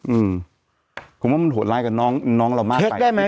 อืมผมว่ามันโหดร้ายกับน้องน้องเรามากไปได้ไหม